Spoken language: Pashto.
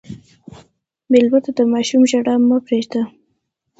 مېلمه ته د ماشوم ژړا مه پرېږده.